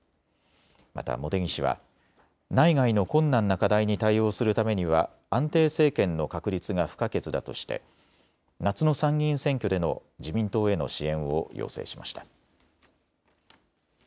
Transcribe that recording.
また茂木氏は内外の困難な課題に対応するためには安定政権の確立が不可欠だとして夏の参議院選挙での自民党への支援を要請しました。